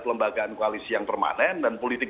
kelembagaan koalisi yang permanen dan politik